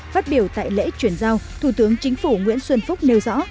phát biểu tại lễ chuyển giao thủ tướng chính phủ nguyễn xuân phúc nêu rõ